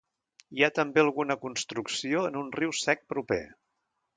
Hi ha també alguna construcció en un riu sec proper.